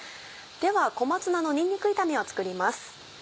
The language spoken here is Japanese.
では小松菜のにんにく炒めを作ります。